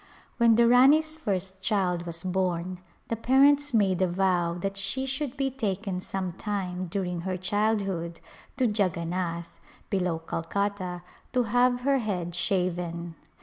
When the Rani's first child was born the parents made a vow that she should be taken some time during her childhood to Jaganath, below Calcutta, to have her head shaven.